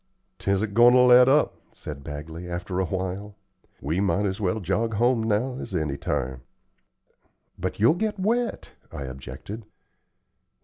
"'Tisn't goin' to let up," said Bagley, after a while. "We might as well jog home now as any time." "But you'll get wet," I objected.